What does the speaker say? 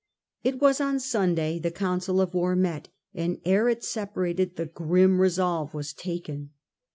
It was on Sunday the council of war met, and ere it separated the grim resolve was taken.